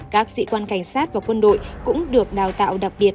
các sĩ quan cảnh sát và quân đội cũng được đào tạo đặc biệt